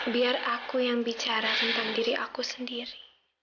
biar aku yang bicara tentang diri aku sendiri